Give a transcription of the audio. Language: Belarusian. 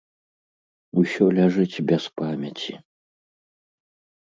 Усё ляжыць без памяці.